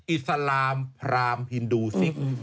อิสลามพรามฮินดูสิก